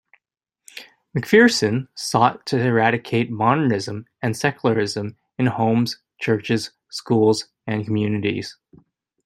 McPherson sought to eradicate modernism and secularism in homes, churches, schools, and communities.